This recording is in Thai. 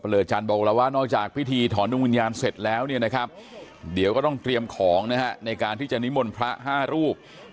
เหลือจันทร์บอกแล้วว่านอกจากพิธีถอนดวงวิญญาณเสร็จแล้วเนี่ยนะครับเดี๋ยวก็ต้องเตรียมของนะฮะในการที่จะนิมนต์พระ๕รูป